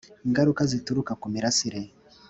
Ingaruka zituruka ku mirasire